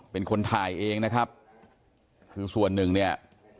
เป็นคนถ่ายเองนะครับคือส่วนหนึ่งเนี่ย